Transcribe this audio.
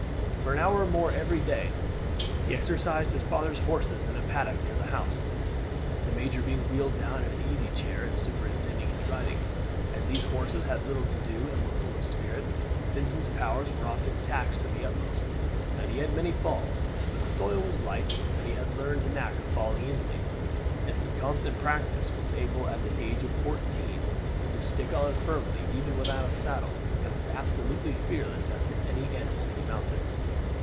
For an hour or more every day he exercised his father's horses in a paddock near the house, the major being wheeled down in an easy chair and superintending his riding. As these horses had little to do and were full of spirit, Vincent's powers were often taxed to the utmost, and he had many falls; but the soil was light, and he had learned the knack of falling easily, and from constant practice was able at the age of fourteen to stick on firmly even without a saddle, and was absolutely fearless as to any animal he mounted.